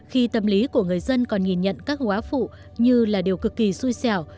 khi tâm lý của người dân còn nhìn nhận các quả phụ như là điều cực kỳ xui xẻo